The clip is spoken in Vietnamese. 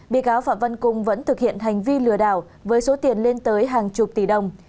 bị cáo phạm văn cung vẫn thực hiện hành vi lừa đảo với số tiền lên tới hàng chục tỷ đồng